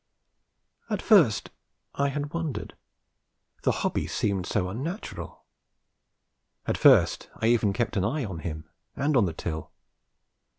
At first I had wondered, the hobby seemed so unnatural: at first I even kept an eye on him and on the till.